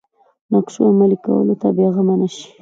نقشو عملي کولو ته بېغمه نه شي.